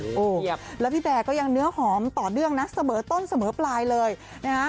เป๊ย์แล้วพี่แบร์ก็ยังเนื้อหอมต่อเดื้องนะสเมิร์ดต้นสเมิร์ดปลายเลยนะคะ